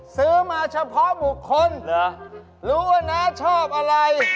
ซื้อมาเฉพาะบุคคลรู้ว่าน้าชอบอะไร